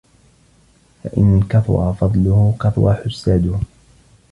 فَإِنْ كَثُرَ فَضْلُهُ كَثُرَ حُسَّادُهُ